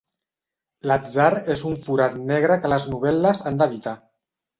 L'atzar és un forat negre que les novel·les han d'evitar.